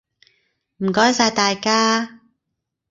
唔該晒大家！